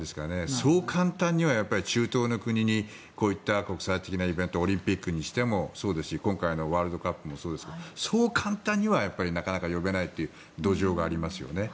そう簡単にこういった中東の国にこういった国際的なイベントオリンピックにしてもそうですし今回のワールドカップもそうですがそう簡単にはなかなか呼べないという土壌がありますよね。